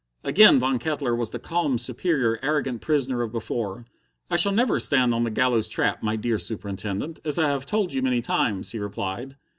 Again Von Kettler was the calm, superior, arrogant prisoner of before. "I shall never stand on the gallows trap, my dear Superintendent, as I have told you many times," he replied.